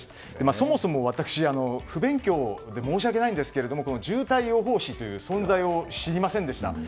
そもそも私、不勉強で申し訳ないんですが渋滞予報士という存在を知りませんでした。